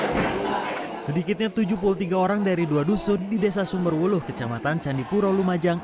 hai sedikitnya tujuh puluh tiga orang dari dua dusun di desa sumberwuluh kecamatan candipuro lumajang